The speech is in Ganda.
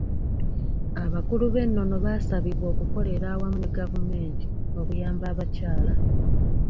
Abakulu b'ennono baasabibwa okukolera awamu ne gavumenti okuyamba abakyala.